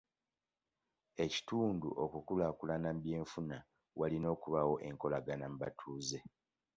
Ekitundu okukulaakulana mu by'enfuna, walina okubaawo enkolagana mu batuuze.